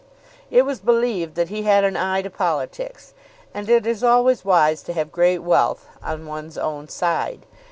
It was believed that he had an eye to politics, and it is always wise to have great wealth on one's own side.